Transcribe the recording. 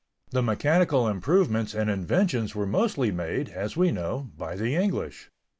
The mechanical improvements and inventions were mostly made, as we know, by the English.